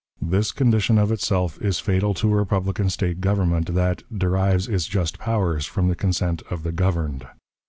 This condition of itself is fatal to a republican State government, that "derives its just powers from the consent of the governed."